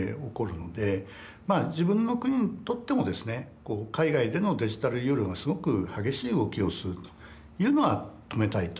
自分の国にとってもですね海外でのデジタルユーロがすごく激しい動きをするというのは止めたいと。